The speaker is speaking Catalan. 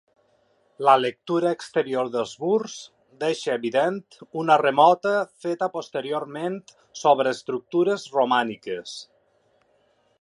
La lectura exterior dels murs deixa evident una remota feta posteriorment sobre estructures romàniques.